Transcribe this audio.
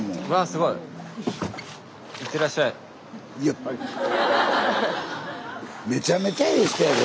スタジオめちゃめちゃええ人やで。